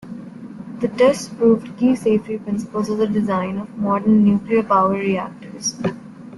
The tests proved key safety principles of the design of modern nuclear power reactors.